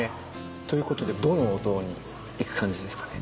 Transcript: ということでどのお堂に行く感じですかね？